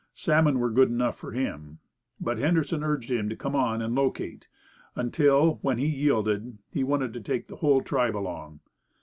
Salmon were good enough for him. But Henderson urged him to come on and locate, until, when he yielded, he wanted to take the whole tribe along.